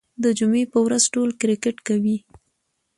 د جمعې په ورځ ټول کرکټ کوي.